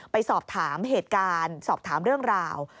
ไปสอบถามเหตุการณ์สอบถามเรื่องราว